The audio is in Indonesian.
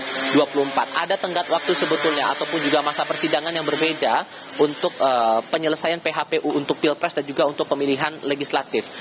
dari sengketa pilihan legislatif tahun dua ribu dua puluh empat ada tenggat waktu sebetulnya ataupun juga masa persidangan yang berbeda untuk penyelesaian phpu untuk pilpres dan juga untuk pemilihan legislatif